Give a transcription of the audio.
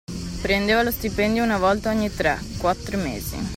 Prendeva lo stipendio una volta ogni tre, quattro mesi.